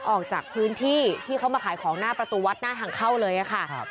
ออกจากพื้นที่ที่เขามาขายของหน้าประตูวัดหน้าทางเข้าเลยค่ะ